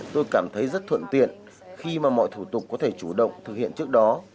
tôi cảm thấy rất thuận tiện khi mà mọi thủ tục có thể chủ động thực hiện trước đó